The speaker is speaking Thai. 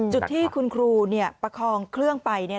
จุดที่คุณครูประคองเครื่องไป